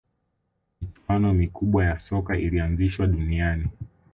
michuano mikubwa ya soka ilianzishwa duniani